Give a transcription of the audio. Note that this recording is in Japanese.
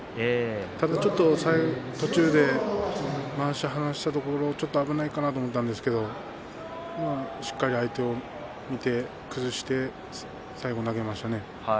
ただ途中でまわしを離したところちょっと危ないかなと思ったんですけどしっかり相手を見て崩して最後、投げましたね。